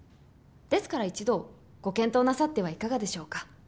ですから１度ご検討なさってはいかがでしょうか？